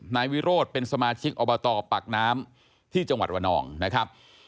นายวิโรธเป็นสมาชิกอบตปากน้ำที่จังหวัดระนองนะครับ